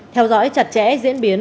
theo dõi chặt chẽ diễn biến